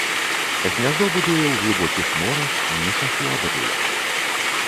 Гняздо будуе ў глыбокіх норах, нішах у абрывах.